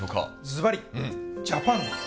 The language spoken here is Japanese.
ずばり「ジャパン」です。